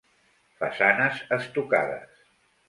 Façanes estucades.